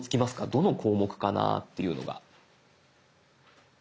どの項目かなっていうのが。